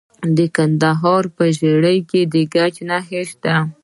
د کندهار په ژیړۍ کې د ګچ نښې شته.